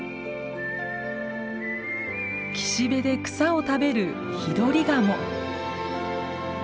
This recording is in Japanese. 岸辺で草を食べるヒドリガモ。